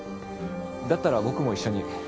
だったら僕も一緒に。